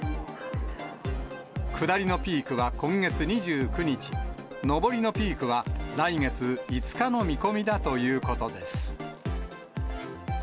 下りのピークは今月２９日、上りのピークは来月５日の見込みだということです。